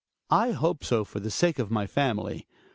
I hope so for the sake of my family.